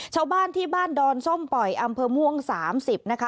ชาวบ้านที่บ้านดอนส้มปล่อยอำเภอม่วง๓๐นะคะ